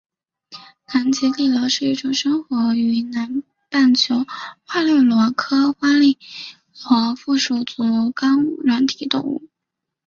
南极笠螺是一种生活于南半球的花笠螺科花笠螺属腹足纲软体动物。